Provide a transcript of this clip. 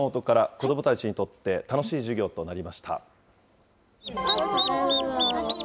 子どもたちにとって楽しい授業となりました。